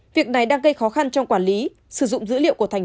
việc này đang gây khó khăn trong quản lý sử dụng dữ liệu của tp hcm